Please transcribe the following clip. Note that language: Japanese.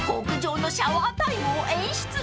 ［極上のシャワータイムを演出］